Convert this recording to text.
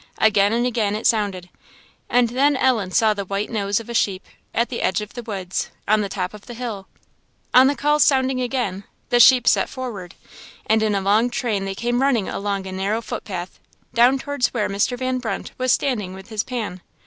Again and again it sounded; and then Ellen saw the white nose of a sheep, at the edge of the woods, on the top of the hill. On the call's sounding again, the sheep set forward, and in a long train they came running along a narrow footpath, down towards where Mr. Van Brunt was standing with his pan.